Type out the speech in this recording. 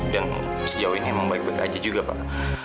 dan sejauh ini emang baik baik aja juga pak